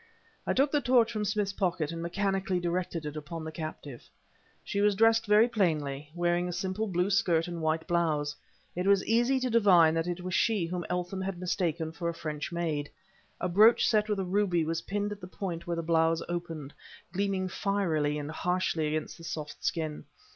I took the torch from Smith's pocket, and, mechanically, directed it upon the captive. She was dressed very plainly, wearing a simple blue skirt, and white blouse. It was easy to divine that it was she whom Eltham had mistaken for a French maid. A brooch set with a ruby was pinned at the point where the blouse opened gleaming fierily and harshly against the soft skin.